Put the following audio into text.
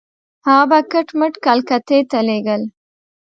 هغه به کټ مټ کلکتې ته لېږل.